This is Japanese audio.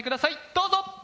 どうぞ！